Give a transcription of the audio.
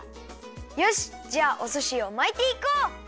よしっじゃあおすしをまいていこう！